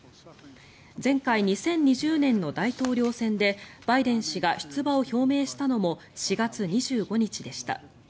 前回２０２０年の大統領選でバイデン氏が出馬を表明したのも４月２５日でした。